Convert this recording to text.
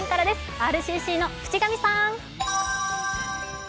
ＲＣＣの渕上さん。